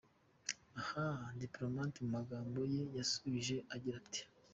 Aha, Diplomate mu magambo ye yasubije agira ati:.